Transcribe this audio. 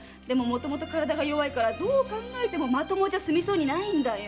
でも身体が弱いからどう考えてもまともじゃ済みそうにないんだ。